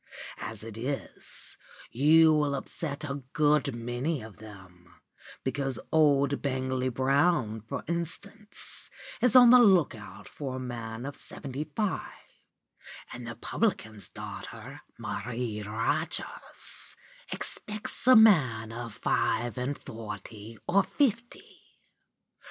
As it is, you will upset a good many of them, because old Bangley Brown, for instance, is on the look out for a man of seventy five; and the publican's daughter, Marie Rogers, expects a man of five and forty or fifty.